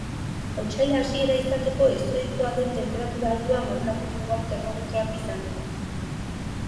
Otsail hasiera izateko ezohikoa den tenperatura altua markatu du gaur termometroak izan ere.